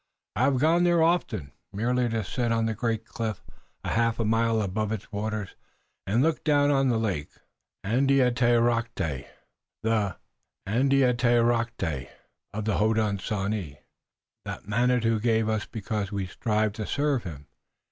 I have gone there often, merely to sit on a great cliff a half mile above its waters, and look down on the lake, Andiatarocte, the Andiatarocte of the Hodenosaunee that Manitou gave to us because we strive to serve him.